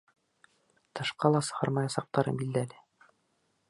Тышҡа ла сығармаясаҡтары билдәле.